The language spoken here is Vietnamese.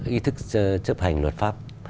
ý thức chấp hành luật pháp